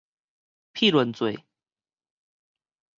譬論做